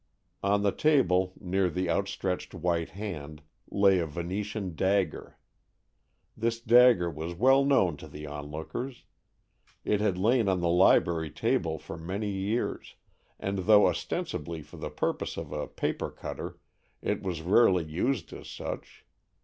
On the table, near the outstretched white hand, lay a Venetian dagger. This dagger was well known to the onlookers. It had lain on the library table for many years, and though ostensibly for the purpose of a paper cutter, it was rarely used as such.